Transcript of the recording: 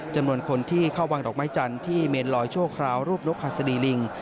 จำนวนคนที่เข้าวางดอกไม้จันทร์ที่เมนลอยชั่วคราวรูปนกหัสดีลิง